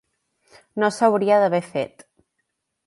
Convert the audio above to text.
No s'hauria d'haver fet.